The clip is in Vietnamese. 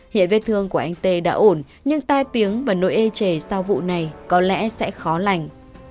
hiện vết thương của anh t đã ổn nhưng tai tiếng và nỗi ê chề sau vụ này có lẽ sẽ khó lành